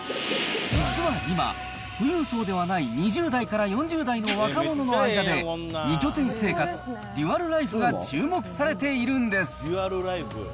実は今、富裕層ではない２０代から４０代の若者の間で、２拠点生活、デュアルライフが注目されているんです。